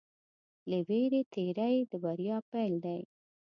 له وېرې تېری د بریا پيل دی.